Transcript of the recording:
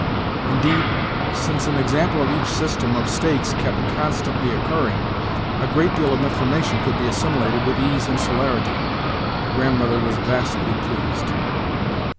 Indeed, since an example of each system of stakes kept constantly occurring, a great deal of information could be assimilated with ease and celerity. The Grandmother was vastly pleased.